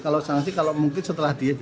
kalau sanksi kalau mungkin setelah diet